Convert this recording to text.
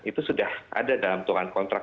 itu sudah ada dalam tulang kontrak